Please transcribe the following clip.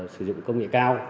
sử dụng công nghệ cao